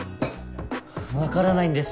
分からないんです